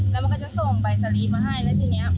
แล้วมันก็จะส่งใบสลีปมาให้แล้วทีเนี้ยใบสลีปมันออกปุ๊บ